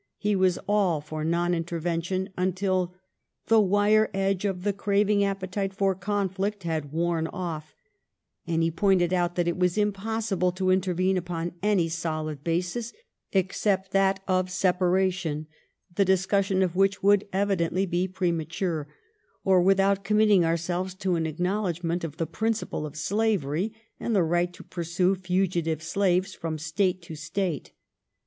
He was all for non intervention until the "wire edge of the craving appetite for conflict had worn off''; and he pointed out that it was impossible to intervene upon any sound basis, except that of separa tion, the discussion of which would evidently be prema ture, or without committing ourselves to an acknow ledgment of the principle of slavery, and the right to pursue fugitive slaves from State to State.